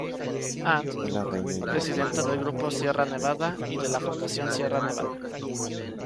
And., presidenta del Grupo Sierra Nevada y de la Fundación Sierra Nevada.